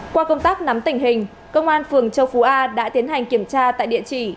qua công tác nắm tình hình công an phường châu phú a đã tiến hành kiểm tra tại địa chỉ